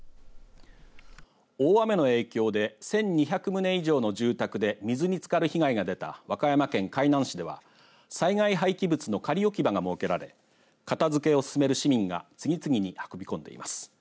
大雨の影響で１２００棟以上の住宅で水につかる被害が出た和歌山県海南市では災害廃棄物の仮置き場が設けられ片づけを進める市民が次々に運び込んでいます。